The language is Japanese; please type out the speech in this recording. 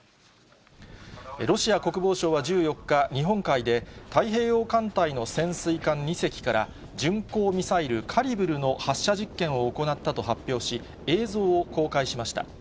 ロシア国防省は１４日、日本海で、太平洋艦隊の潜水艦２隻から、巡航ミサイル、カリブルの発射実験を行ったと発表し、映像を公開しました。